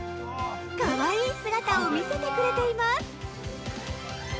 かわいい姿を見せてくれています。